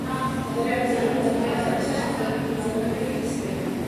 მდიდარია არქიტექტურული ძეგლებით, არის ხიდები, მუზეუმები, ეკლესიები.